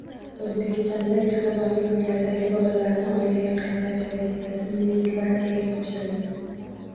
O‘zbekistonda mehribonlik uylaridagi bolalarni oilaga qaytarish vazifasi Milliy gvardiyaga topshirildi